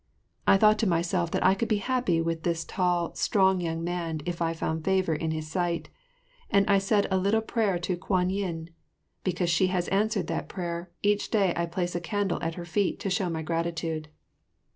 I thought to myself that I could be happy with this tall, strong young man if I found favour in his sight, and I said a little prayer to Kwan yin. Because she has answered that prayer, each day I place a candle at her feet to show my gratitude.